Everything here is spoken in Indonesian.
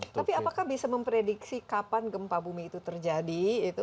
tapi apakah bisa memprediksi kapan gempa bumi itu terjadi